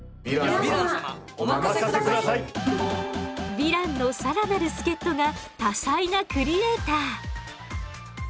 ヴィランの更なる助っとが多才なクリエーター。